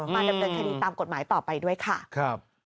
ดำเนินคดีตามกฎหมายต่อไปด้วยค่ะ